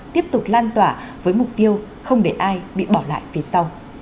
tiếp tục lan tỏa với mục tiêu không để ai bị bỏ lại phía sau